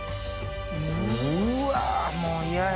うわもう嫌や。